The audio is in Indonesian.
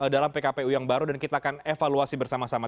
dalam pkpu yang baru dan kita akan evaluasi bersama sama